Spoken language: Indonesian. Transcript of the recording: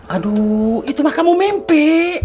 aduh itu mah kamu mimpi